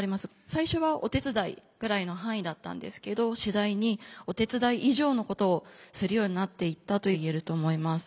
最初はお手伝いぐらいの範囲だったんですけど次第にお手伝い以上のことをするようになっていったと言えると思います。